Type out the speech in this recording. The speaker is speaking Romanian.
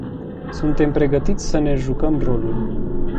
Suntem pregătiți să ne jucăm rolul.